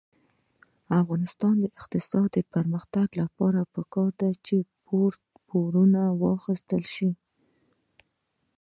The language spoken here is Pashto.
د افغانستان د اقتصادي پرمختګ لپاره پکار ده چې پورونه واخیستل شي.